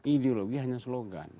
ideologi hanya slogan